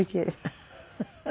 フフフフ。